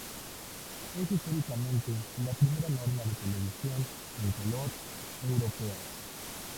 Es, históricamente, la primera norma de televisión en color europea.